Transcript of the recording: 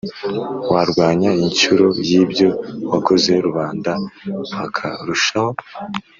warwanya incyuro y'ibyo wakoze, rubanda bakarushaho